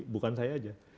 bukan saya aja